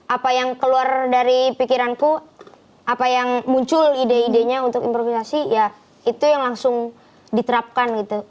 apa yang keluar dari pikiranku apa yang muncul ide idenya untuk improvisasi ya itu yang langsung diterapkan gitu